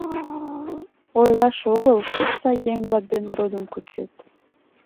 Ойлаш огыл, пеш сай еҥ-влак дене родым кучет.